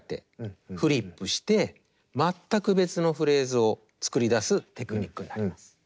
フリップして全く別のフレーズを作り出すテクニックになります。